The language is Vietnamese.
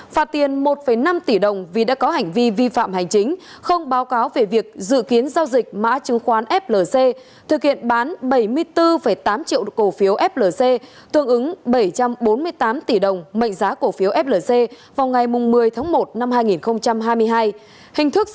phạt tiền một năm tỷ đồng vì đã có hành vi vi phạm hành chính không báo cáo về việc dự kiến giao dịch mã chứng khoán flc thực hiện bán bảy mươi bốn tám triệu cổ phiếu flc tương ứng bảy trăm bốn mươi tám tỷ đồng mệnh giá cổ phiếu flc